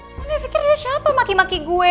gak ada yang pikir dia siapa maki maki gue